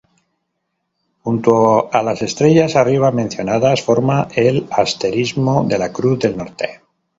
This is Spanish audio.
Junto a las estrellas arriba mencionadas, forma el asterismo de la Cruz del Norte.